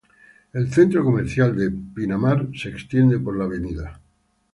El centro comercial de Pinamar se extiende por la Av.